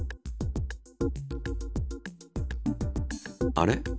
あれ？